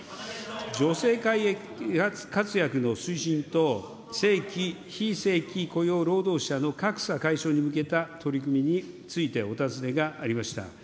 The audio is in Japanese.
女性活躍の推進と正規・非正規雇用労働者の格差解消に向けた取り組みについてお尋ねがありました。